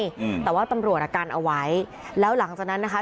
อืมแต่ว่าตำรวจอ่ะกันเอาไว้แล้วหลังจากนั้นนะคะ